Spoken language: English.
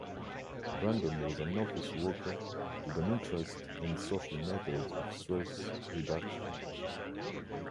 Brandon was an office worker with an interest in social methods of stress reduction.